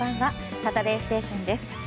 「サタデーステーション」です。